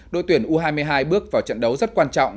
đội tuyển u hai mươi hai bước vào trận đấu rất quan trọng